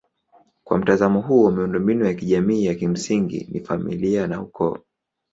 Kwa mtazamo huo miundombinu ya kijamii ya kimsingi ni familia na ukoo.